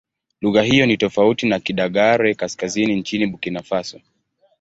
Lugha hiyo ni tofauti na Kidagaare-Kaskazini nchini Burkina Faso.